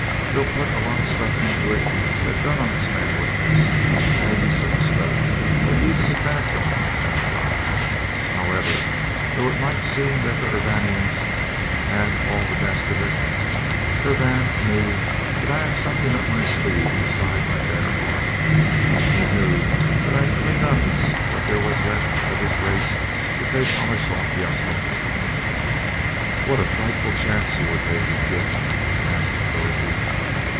They'll put a lot of stuff into it that Dunark's men would miss maybe some stuff that even the Fenachrone haven't got. However, though it might seem that the Urvanians had all the best of it, Urvan knew that I had something up my sleeve besides my bare arm and he knew that I'd clean up what there was left of his race if they polished off the Osnomians." "What a frightful chance you were taking, Dick!" gasped Dorothy.